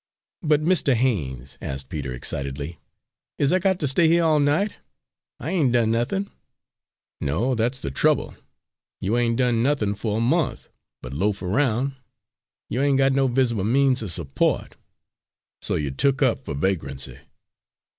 "But, Mistah Haines," asked Peter, excitedly, "is I got to stay here all night? I ain' done nuthin'." "No, that's the trouble; you ain't done nuthin' fer a month, but loaf aroun'. You ain't got no visible means of suppo't, so you're took up for vagrancy."